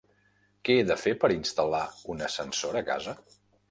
Què he de fer per instal·lar un ascensor a casa?